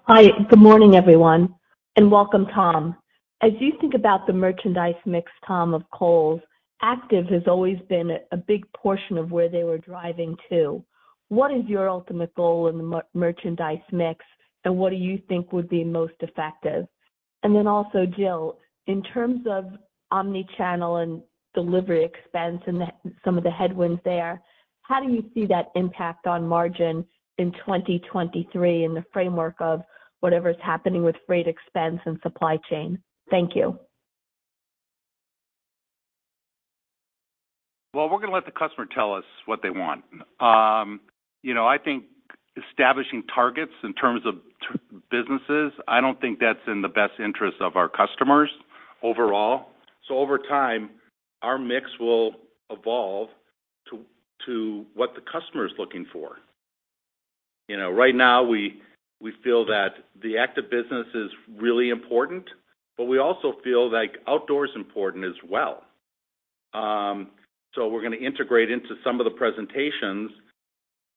Hi. Good morning, everyone, welcome, Tom. As you think about the merchandise mix, Tom, of Kohl's, active has always been a big portion of where they were driving to. What is your ultimate goal in the merchandise mix, and what do you think would be most effective? Then also, Jill, in terms of omni-channel and delivery expense and some of the headwinds there, how do you see that impact on margin in 2023 in the framework of whatever is happening with freight expense and supply chain? Thank you. Well, we're gonna let the customer tell us what they want. you know, I think establishing targets in terms of businesses, I don't think that's in the best interest of our customers overall. over time, our mix will evolve to what the customer is looking for. You know, right now, we feel that the active business is really important, but we also feel like Outdoor is important as well. so we're gonna integrate into some of the presentations,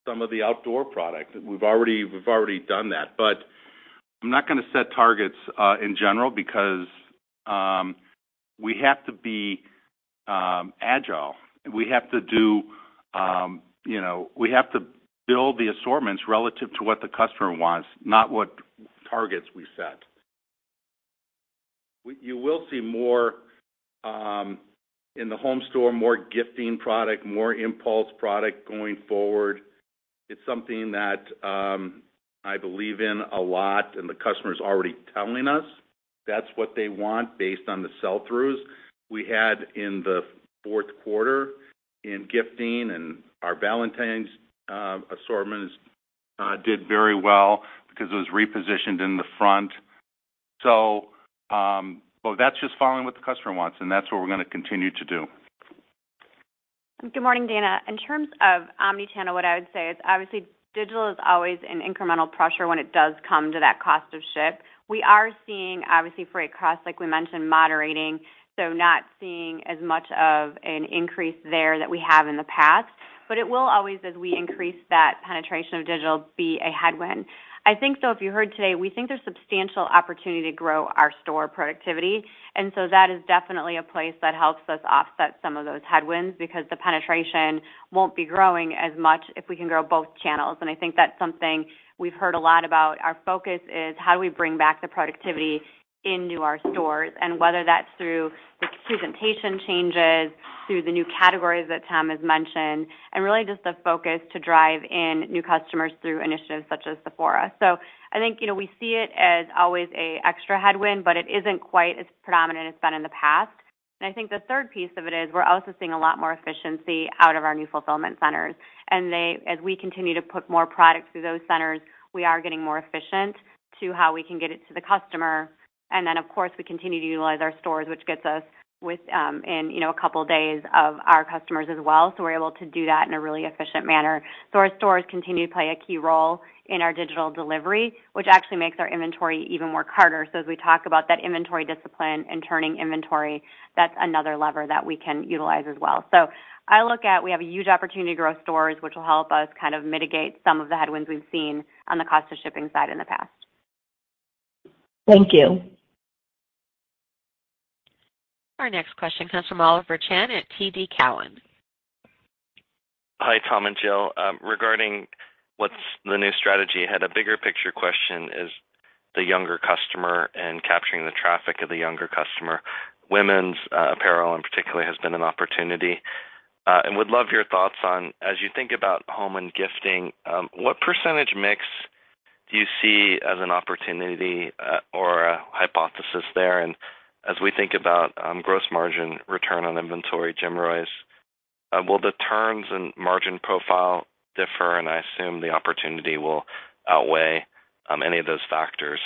some of the Outdoor product. We've already done that. I'm not gonna set targets in general because we have to be agile. We have to do, you know, we have to build the assortments relative to what the customer wants, not what targets we set. You will see more in the home store, more gifting product, more impulse product going forward. It's something that I believe in a lot. The customer is already telling us that's what they want based on the sell-throughs we had in the fourth quarter in gifting and our Valentine's assortments did very well because it was repositioned in the front. Well, that's just following what the customer wants, and that's what we're gonna continue to do. Good morning, Dana. In terms of omnichannel, what I would say is, obviously, digital is always an incremental pressure when it does come to that cost of ship. We are seeing, obviously, freight costs, like we mentioned, moderating, so not seeing as much of an increase there that we have in the past. It will always, as we increase that penetration of digital, be a headwind. I think, so if you heard today, we think there's substantial opportunity to grow our store productivity. That is definitely a place that helps us offset some of those headwinds because the penetration won't be growing as much if we can grow both channels. I think that's something we've heard a lot about. Our focus is how do we bring back the productivity into our stores and whether that's through the presentation changes, through the new categories that Tom has mentioned, and really just the focus to drive in new customers through initiatives such as Sephora. I think, you know, we see it as always a extra headwind, but it isn't quite as predominant as it's been in the past. I think the third piece of it is we're also seeing a lot more efficiency out of our new fulfillment centers. as we continue to put more products through those centers, we are getting more efficient to how we can get it to the customer. Of course, we continue to utilize our stores, which gets us with, in, you know, a couple of days of our customers as well. We're able to do that in a really efficient manner. Our stores continue to play a key role in our digital delivery, which actually makes our inventory even work harder. As we talk about that inventory discipline and turning inventory, that's another lever that we can utilize as well. I look at we have a huge opportunity to grow stores, which will help us kind of mitigate some of the headwinds we've seen on the cost of shipping side in the past. Thank you. Our next question comes from Oliver Chen at TD Cowen. Hi, Tom and Jill. Regarding what's the new strategy ahead, a bigger picture question is the younger customer and capturing the traffic of the younger customer. Women's apparel in particular has been an opportunity, and would love your thoughts on, as you think about home and gifting, what percentage mix do you see as an opportunity or a hypothesis there? As we think about gross margin, return on inventory, GMROIs, will the terms and margin profile differ? I assume the opportunity will outweigh any of those factors.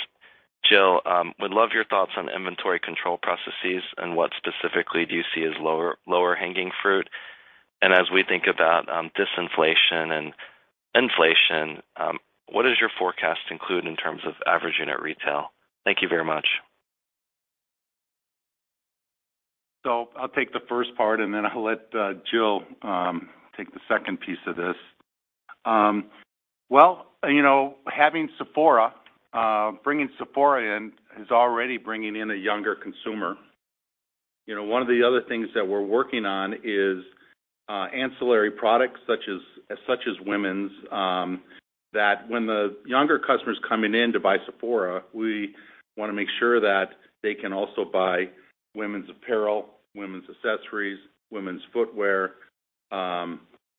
Jill, would love your thoughts on inventory control processes and what specifically do you see as lower hanging fruit. As we think about disinflation and inflation, what does your forecast include in terms of average unit retail? Thank you very much. I'll take the first part, and then I'll let Jill take the second piece of this. Well, you know, having Sephora, bringing Sephora in is already bringing in a younger consumer. You know, one of the other things that we're working on is ancillary products such as women's, that when the younger customer is coming in to buy Sephora, we wanna make sure that they can also buy women's apparel, women's accessories, women's footwear,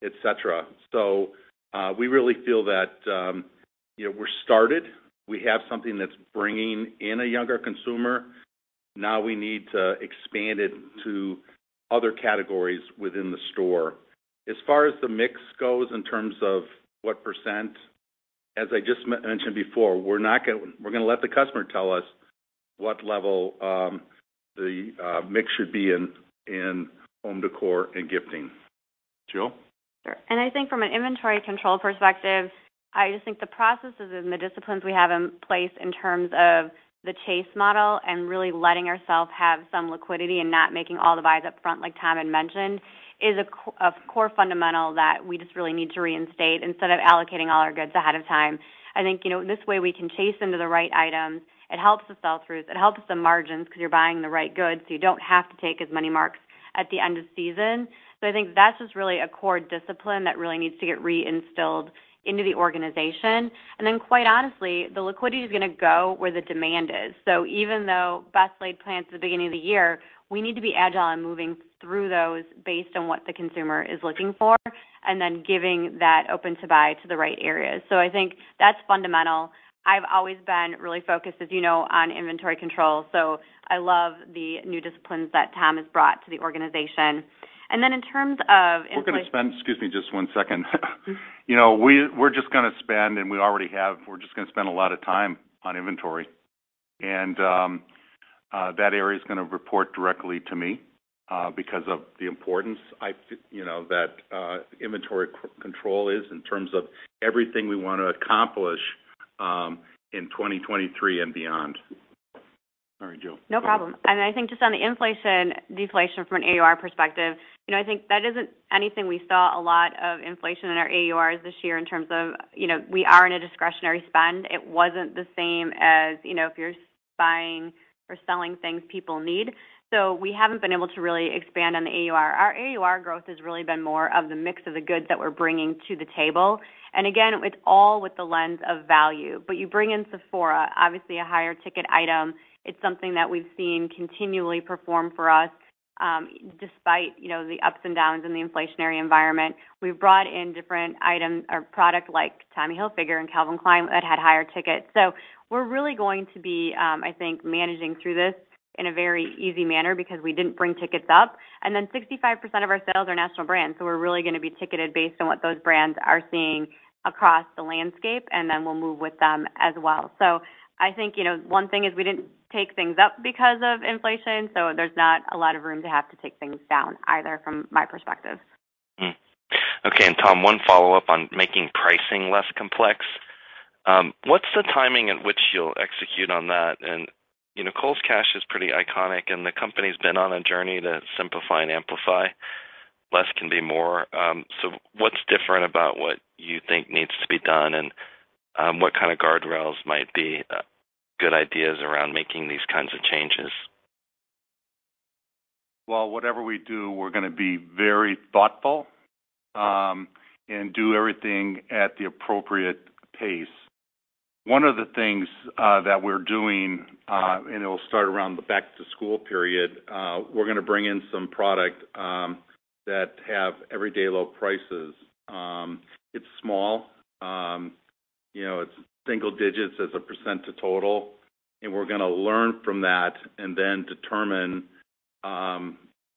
et cetera. We really feel that, you know, we're started. We have something that's bringing in a younger consumer. Now we need to expand it to other categories within the store. As far as the mix goes, in terms of what percent, as I just mentioned before, we're not gonna... We're gonna let the customer tell us what level, the mix should be in home decor and gifting. Jill? Sure. I think from an inventory control perspective, I just think the processes and the disciplines we have in place in terms of the chase model and really letting ourselves have some liquidity and not making all the buys up front, like Tom had mentioned, is a core fundamental that we just really need to reinstate instead of allocating all our goods ahead of time. I think, you know, this way we can chase them to the right items. It helps the sell-throughs. It helps the margins 'cause you're buying the right goods, so you don't have to take as many marks at the end of season. I think that's just really a core discipline that really needs to get re-instilled into the organization. Then, quite honestly, the liquidity is gonna go where the demand is. Even though best laid plans at the beginning of the year, we need to be agile in moving through those based on what the consumer is looking for and then giving that open to buy to the right areas. I think that's fundamental. I've always been really focused, as you know, on inventory control, so I love the new disciplines that Tom has brought to the organization. In terms of infla-. We're gonna spend. Excuse me, just one second. You know, we're just gonna spend, and we already have, we're just gonna spend a lot of time on inventory. That area is gonna report directly to me because of the importance you know, that inventory control is in terms of everything we wanna accomplish in 2023 and beyond. Sorry, Jill. No problem. I think just on the inflation, deflation from an AUR perspective, you know, I think that isn't anything we saw a lot of inflation in our AURs this year in terms of, you know, we are in a discretionary spend. It wasn't the same as, you know, if you're buying or selling things people need. We haven't been able to really expand on the AUR. Our AUR growth has really been more of the mix of the goods that we're bringing to the table. Again, it's all with the lens of value. You bring in Sephora, obviously a higher ticket item, it's something that we've seen continually perform for us, despite, you know, the ups and downs in the inflationary environment. We've brought in different item or product like Tommy Hilfiger and Calvin Klein that had higher tickets. We're really going to be, I think, managing through this in a very easy manner because we didn't bring tickets up. Then 65% of our sales are national brands, so we're really gonna be ticketed based on what those brands are seeing across the landscape, and then we'll move with them as well. I think, you know, one thing is we didn't take things up because of inflation, so there's not a lot of room to have to take things down either from my perspective. Okay. Tom, one follow-up on making pricing less complex. What's the timing at which you'll execute on that? You know, Kohl's Cash is pretty iconic, and the company's been on a journey to simplify and amplify. Less can be more. What's different about what you think needs to be done? What kind of guardrails might be good ideas around making these kinds of changes? Well, whatever we do, we're gonna be very thoughtful, and do everything at the appropriate pace. One of the things that we're doing, and it'll start around the back to school period, we're gonna bring in some product that have everyday low prices. It's small. You know, it's single digits as a percent to total, and we're gonna learn from that and then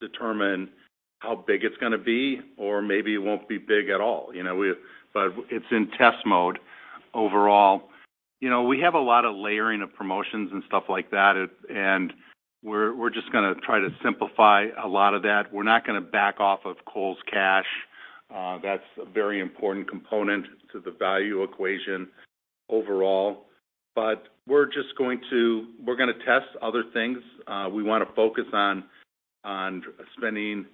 determine how big it's gonna be, or maybe it won't be big at all. You know, we... it's in test mode overall. You know, we have a lot of layering of promotions and stuff like that, and we're just gonna try to simplify a lot of that. We're not gonna back off of Kohl's Cash. That's a very important component to the value equation overall. We're just going to test other things. We wanna focus on spending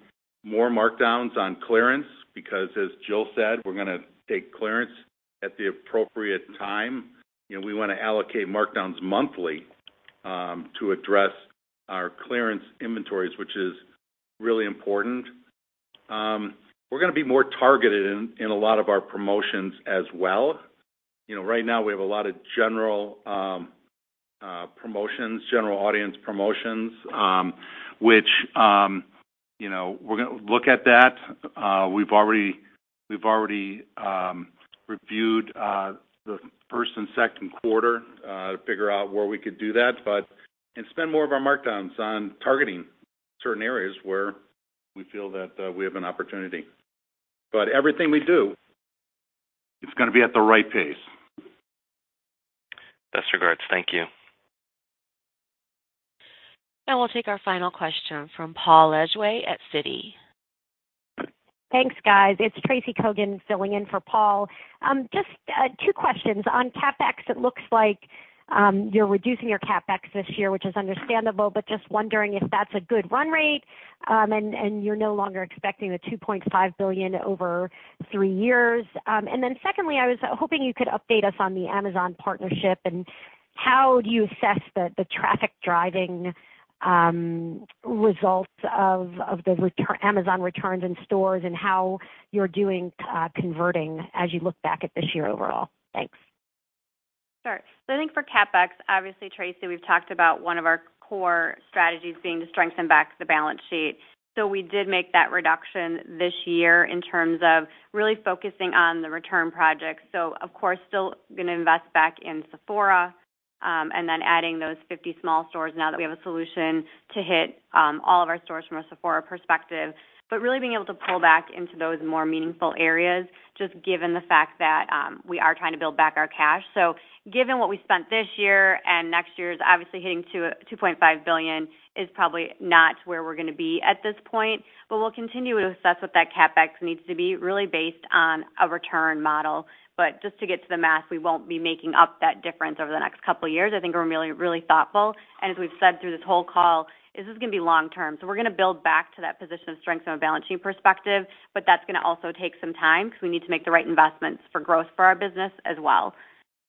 more markdowns on clearance because, as Jill said, we're gonna take clearance at the appropriate time. You know, we wanna allocate markdowns monthly to address our clearance inventories, which is really important. We're gonna be more targeted in a lot of our promotions as well. You know, right now we have a lot of general promotions, general audience promotions, which, you know, we're gonna look at that. We've already reviewed the first and second quarter to figure out where we could do that. And spend more of our markdowns on targeting certain areas where we feel that we have an opportunity. Everything we do, it's gonna be at the right pace. Best regards. Thank you. Now we'll take our final question from Paul Lejuez at Citi. Thanks, guys. It's Tracy Kogan filling in for Paul. Just two questions. On CapEx, it looks like you're reducing your CapEx this year, which is understandable, but just wondering if that's a good run rate, and you're no longer expecting the $2.5 billion over three years. Then secondly, I was hoping you could update us on the Amazon partnership and how you assess the traffic driving results of Amazon returns in stores and how you're doing converting as you look back at this year overall. Thanks. Sure. I think for CapEx, obviously, Tracy, we've talked about one of our core strategies being to strengthen back the balance sheet. We did make that reduction this year in terms of really focusing on the return projects. Of course, still gonna invest back in Sephora, and then adding those 50 small stores now that we have a solution to hit, all of our stores from a Sephora perspective. Really being able to pull back into those more meaningful areas, just given the fact that, we are trying to build back our cash. Given what we spent this year and next year's obviously hitting $2.5 billion is probably not where we're gonna be at this point. But we'll continue to assess what that CapEx needs to be really based on a return model. Just to get to the math, we won't be making up that difference over the next couple of years. I think we're really, really thoughtful. As we've said through this whole call, this is gonna be long term. We're gonna build back to that position of strength from a balance sheet perspective, but that's gonna also take some time because we need to make the right investments for growth for our business as well.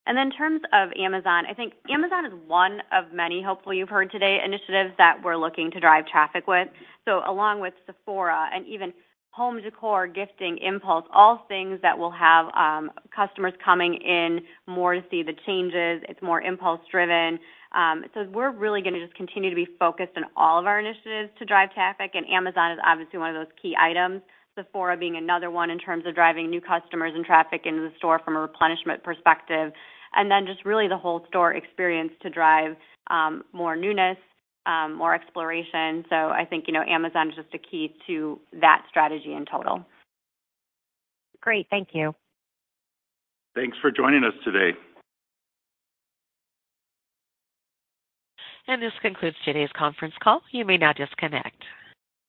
Then in terms of Amazon, I think Amazon is one of many, hopefully you've heard today, initiatives that we're looking to drive traffic with. Along with Sephora and even home decor, gifting, impulse, all things that will have customers coming in more to see the changes. It's more impulse driven. We're really gonna just continue to be focused on all of our initiatives to drive traffic. Amazon is obviously one of those key items, Sephora being another one in terms of driving new customers and traffic into the store from a replenishment perspective. Just really the whole store experience to drive more newness, more exploration. I think, you know, Amazon is just a key to that strategy in total. Great. Thank you. Thanks for joining us today. This concludes today's conference call. You may now disconnect.